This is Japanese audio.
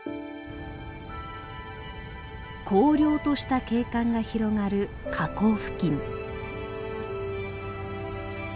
荒涼とした景観が広がる火口付近。